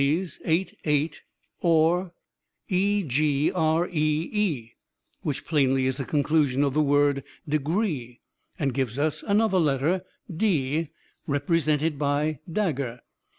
which plainly, is the conclusion of the word 'degree,' and gives us another letter, d, represented by [dagger].